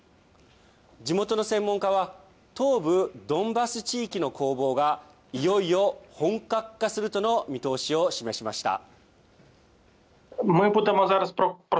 地元の専門家は、東部ドンバス地域の攻防が、いよいよ本格化するとの見通しを示しました。